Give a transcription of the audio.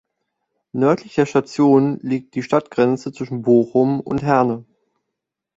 Nördlich der Station liegt die Stadtgrenze zwischen Bochum und Herne.